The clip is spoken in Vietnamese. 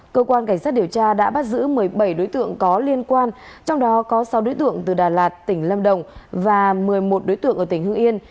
cơ quan cảnh sát điều tra đã bắt giữ một mươi bảy đối tượng có liên quan trong đó có sáu đối tượng từ đà lạt tỉnh lâm đồng và một mươi một đối tượng ở tỉnh hưng yên